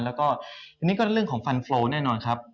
แล้วก็อันนี้ก็เรื่องของฟันโฟลแน่นอนครับ